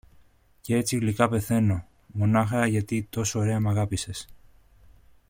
κ’ έτσι γλυκά πεθαίνω, μονάχα γιατί τόσο ωραία μ’ αγάπησες.